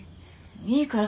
いいから。